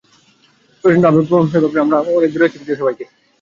প্রচণ্ড আবেগপ্রবণ হয়ে ভাবি, আমরা অনেক দূরে আছি আমাদের প্রিয় শহরকে ফেলে।